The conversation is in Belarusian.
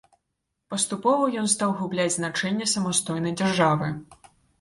Паступова ён стаў губляць значэнне самастойнай дзяржавы.